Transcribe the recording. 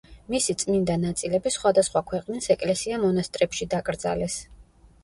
მისი წმინდა ნაწილები სხვადასხვა ქვეყნის ეკლესია-მონასტრებში დაკრძალეს.